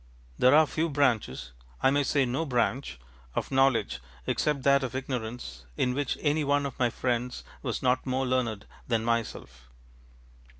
There are few branches, I may say no branch, of knowledge except that of ignorance in which any one of my friends was not more learned than myself.